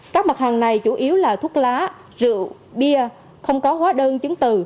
các mặt hàng này chủ yếu là thuốc lá rượu bia không có hóa đơn chứng từ